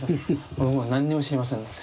僕も何にも知りませんので。